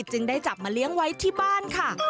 จึงได้จับมาเลี้ยงไว้ที่บ้านค่ะ